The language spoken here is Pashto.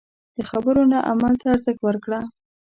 د خبرو نه عمل ته ارزښت ورکړه.